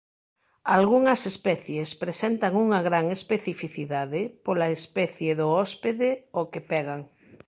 Algunhas especies presentan unha gran especificidade pola especie do hóspede ó que pegan.